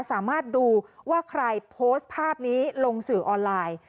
สามารถดูว่าใครโพสต์ภาพนี้ลงสื่อออนไลน์